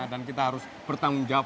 dan kita harus bertanggung jawab